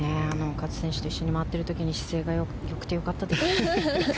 勝選手と一緒に回っている時に姿勢が良くてよかったです。